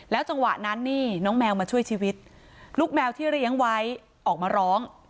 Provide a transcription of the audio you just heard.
จังหวะนั้นนี่น้องแมวมาช่วยชีวิตลูกแมวที่เลี้ยงไว้ออกมาร้อง